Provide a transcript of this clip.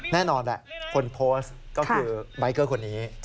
แน่นอนแหละคนโพสต์ก็คือใบเกอร์คนนี้